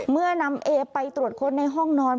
เมื่อนำเอไปตรวจค้นในห้องนอน